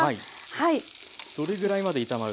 はい。